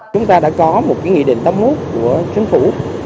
chúng ta đã có một nghị định tâm hút của chính phủ